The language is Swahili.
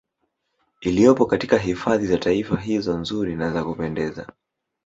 Iliyopo katika hifadhi za Taifa hizo nzuri na za kupendeza